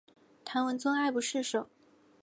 唐文宗爱不释手。